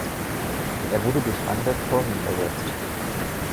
Er wurde durch Undead Torment ersetzt.